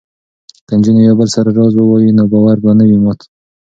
که نجونې یو بل سره راز ووايي نو باور به نه وي مات.